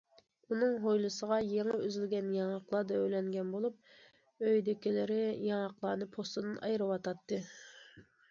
ئۇنىڭ ھويلىسىغا يېڭى ئۈزۈلگەن ياڭاقلار دۆۋىلەنگەن بولۇپ، ئۆيىدىكىلىرى ياڭاقلارنى پوستىدىن ئايرىۋاتاتتى.